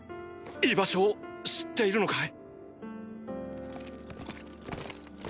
居場所を知っているのかい